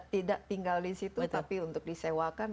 tidak tinggal di situ tapi untuk disewakan